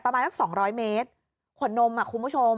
ประมาณก็๒๐๐เมตรขวดนมอ่ะคุณผู้ชม